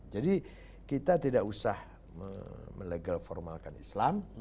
jadi kita tidak usah melegal formalkan islam